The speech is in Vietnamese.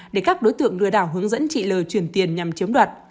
để các đối tượng lừa đảo hướng dẫn chị l chuyển tiền nhằm chiếm đoạt